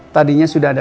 tadinya sudah ada